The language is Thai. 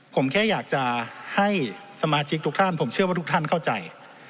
ผมแค่อยากจะให้สมาชิกทุกท่านผมเชื่อว่าทุกท่านเข้าใจ